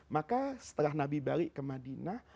maka setelah nabi balik ke madinah